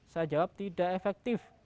saya jawab tidak efektif